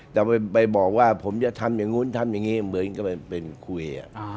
แต่ไปบอกว่าผมจะทำอย่างนู้นทำอย่างนี้เหมือนก็ไปเป็นคุย